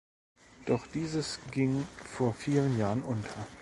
Doch dieses ging vor vielen Jahren unter.